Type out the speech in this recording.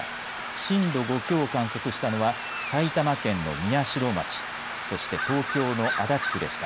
震度５強を観測したのは埼玉県の宮代町そして東京の足立区でした。